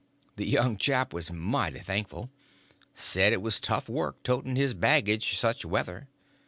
The young chap was mighty thankful; said it was tough work toting his baggage such weather.